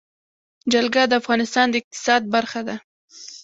جلګه د افغانستان د اقتصاد برخه ده.